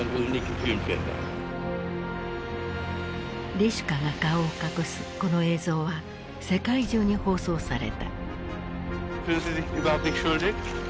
リシュカが顔を隠すこの映像は世界中に放送された。